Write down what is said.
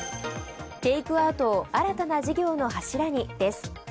テイクアウトを新たな事業の柱にです。